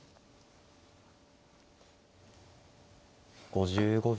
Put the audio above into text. ５５秒。